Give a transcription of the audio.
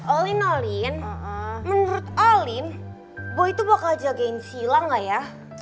alin alin menurut alin boy tuh bakal jagain sila gak ya